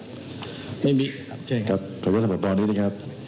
ส่วนตำรวจที่ของบรรณีคื